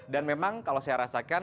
dan memang kalau saya rasakan